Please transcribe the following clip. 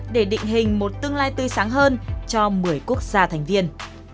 để định hình một tương lai tươi sáng hơn cho một mươi quốc gia thành viên